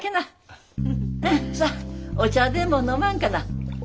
さっお茶でも飲まんかな。